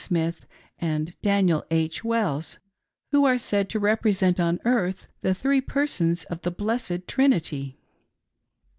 Smith, and Daniel H. Wells, — who are said to represent on earth the three Persons of the Blessed Trinity